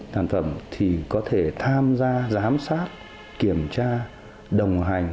sản phẩm thì có thể tham gia giám sát kiểm tra đồng hành